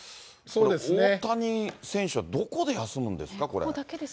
大谷選手はどこで休むんですか。